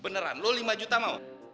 beneran lo lima juta mau